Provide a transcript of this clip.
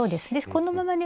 このままね